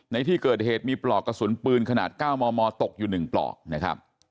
ในที่เกิดเหตุมีปลอกกระสุนปืนขนาด๙มมตกอยู่๑ปลอกนะครับ